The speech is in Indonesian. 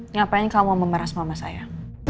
ngapain kamu memeras mama saya